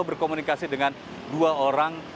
dan mereka berangkat dengan sukses tanpa ada halangan kendala